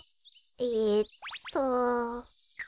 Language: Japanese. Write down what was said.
えっと。